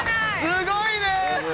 すごいね！